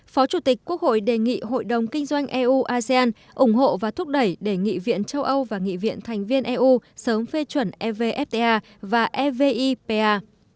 phó chủ tịch quốc hội đề nghị hội đồng kinh doanh eu asean ủng hộ và thúc đẩy đề nghị viện châu âu và nghị viện thành viên eu sớm phê chuẩn evfta và evipa